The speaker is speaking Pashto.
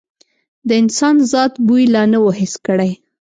د انسان ذات بوی لا نه و حس کړی.